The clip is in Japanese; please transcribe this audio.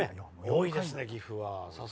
多いですね、岐阜は。